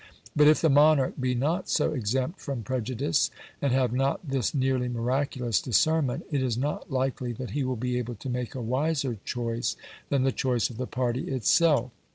But if the monarch be not so exempt from prejudice, and have not this nearly miraculous discernment, it is not likely that he will be able to make a wiser choice than the choice of the party itself.